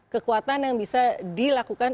kekuatan yang bisa dilakukan